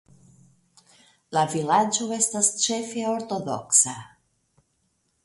La vilaĝo estas ĉefe ortodoksa.